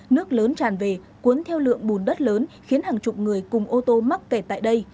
nước lớn tràn về cuốn theo lượng bùn đất lớn khiến hàng chục người cùng ô tô mắc kẹt tại đây